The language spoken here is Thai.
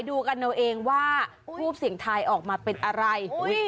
ดูกันเอาเองว่าทูปเสียงทายออกมาเป็นอะไร